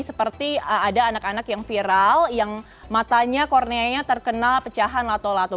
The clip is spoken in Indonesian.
seperti ada anak anak yang viral yang matanya korneanya terkena pecahan lato lato